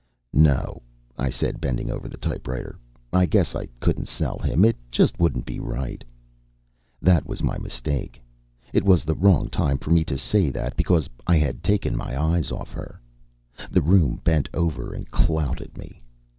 "No," I said, bending over the typewriter, "I guess I couldn't sell him. It just wouldn't be right " That was my mistake; it was the wrong time for me to say that, because I had taken my eyes off her. The room bent over and clouted me.